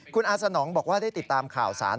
คุณอาสนองบอกว่าได้ติดตามข่าวสาร